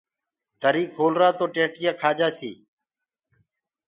دري کولرآ توڏيمڀوُ کآ جآسيٚ